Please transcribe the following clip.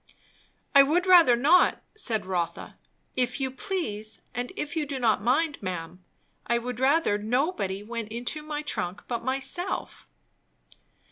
"I would rather not," said Rotha. "If you please, and if you do not mind, ma'am, I would rather nobody went into my trunk but myself."